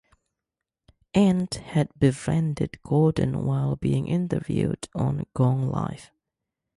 Ant had befriended Gordon while being interviewed on Going Live!